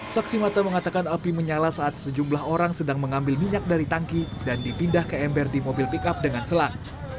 saksi mata mengatakan api menyala saat sejumlah orang sedang mengambil minyak dari tangki dan dipindah ke ember di mobil pickup dengan selang